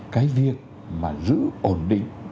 cái việc mà giữ ổn định